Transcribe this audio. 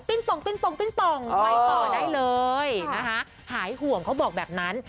ป่องปิ้นป่องปิ้นป่องไปต่อได้เลยนะคะหายห่วงเขาบอกแบบนั้น